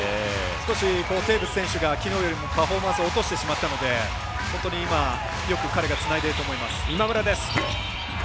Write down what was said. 少しテーブス選手がきのうよりもパフォーマンスを落としてしまったので本当に今、よく彼がつないでいると思います。